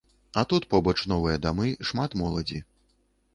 А тут побач новыя дамы, шмат моладзі.